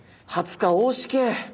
「２０日大しけ」。